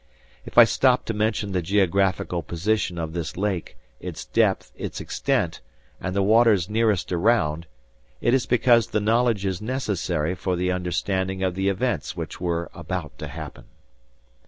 If I stop to mention the geographical position of this lake, its depth, its extent, and the waters nearest around, it is because the knowledge is necessary for the understanding of the events which were about to happen.